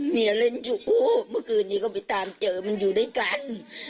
มีเอลเล่นจู๊บเมื่อกี้นี่ก็ไปตามเจอกันมันอยู่ด้วยกัน